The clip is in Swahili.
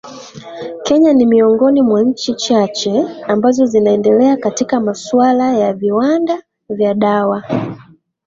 kenya ni miongoni mwa nchi chache ambazo zinaendelea katika masuala ya viwanda vya dawa